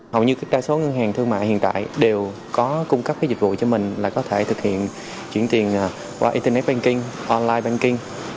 hầu như đa số ngân hàng thương mại hiện tại đều có cung cấp cái dịch vụ cho mình là có thể thực hiện chuyển tiền qua internet banking online banking